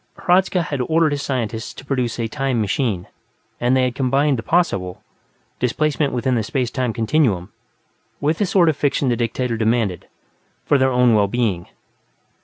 Hradzka had ordered his scientists to produce a "Time Machine", and they had combined the possible displacement within the space time continuum with the sort of fiction the dictator demanded, for their own well being.